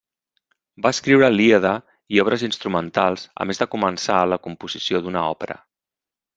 Va escriure lieder i obres instrumentals, a més de començar la composició d'una òpera.